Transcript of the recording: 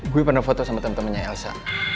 gue pernah foto sama temen temennya elsa